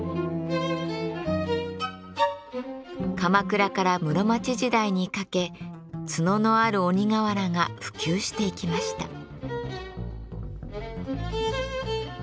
鎌倉から室町時代にかけ角のある鬼瓦が普及していきました。